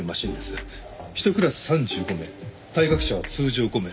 ひとクラス３５名退学者は通常５名。